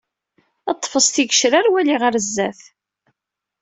Ḍfes tigecrar, wali ɣer sdat.